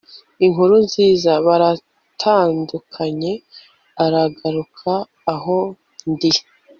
Inkuru nziza Baratandukanye aragaruka aho ndi